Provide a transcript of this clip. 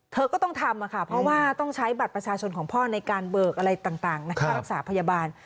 เธอก็ต้องทำค่ะเพราะว่าต้องใช้บัตรประชาชนของพ่อในการเบิกอะไรต่างค่ารักษาพยาบาล